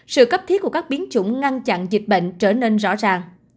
sự cấp thiết của các biến chủng ngăn chặn dịch bệnh trở nên rõ ràng